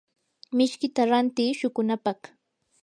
mishkita rantiiy shuqunapaq.